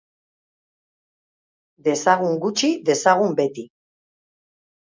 Dezagun gutxi dezagun beti.